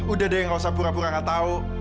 udah deh nggak usah pura pura nggak tahu